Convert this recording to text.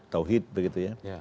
tauhid begitu ya